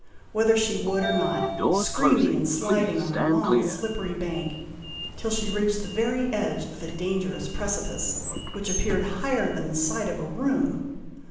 whether she would or not, screaming and sliding on a long slippery bank, till she reached the very edge of a dangerous precipice, which appeared higher than the side of a room.